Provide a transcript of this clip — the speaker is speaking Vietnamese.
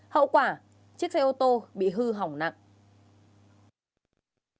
hậu quả chiếc xe ô tô bị hư hỏng nặng